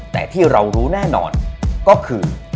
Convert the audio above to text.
แต่ที่เรารู้แน่นอนก็คือ